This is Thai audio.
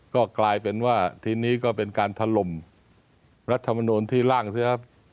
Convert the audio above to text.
ก็กลายเป็นว่าทีนี้ก็เป็นการทะลมรัฐมนตรีที่ร่างซะครับ